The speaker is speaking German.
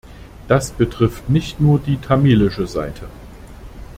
Das betrifft nicht nur die tamilische Seite.